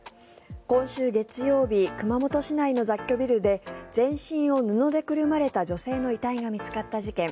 今週月曜日熊本市内の雑居ビルで全身を布でくるまれた女性の遺体が見つかった事件。